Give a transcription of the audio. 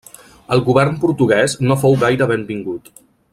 El govern portuguès no fou gaire benvingut.